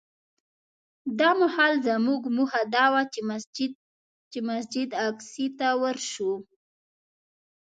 دا مهال زموږ موخه دا وه چې مسجد اقصی ته ورشو.